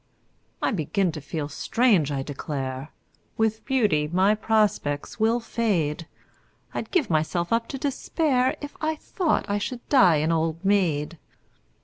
I begin to feel strange, I declare! With beauty my prospects will fade I'd give myself up to despair If I thought I should die an old maid!